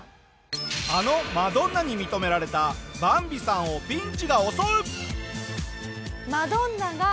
あのマドンナに認められたバンビさんをピンチが襲う！